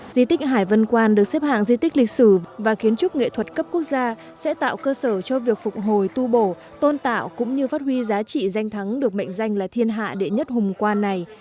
di tích hải vân quan được xếp hạng di tích lịch sử và kiến trúc nghệ thuật cấp quốc gia sẽ tạo cơ sở cho việc phục hồi tu bổ tôn tạo cũng như phát huy giá trị danh thắng được mệnh danh là thiên hạ đệ nhất hùng quan này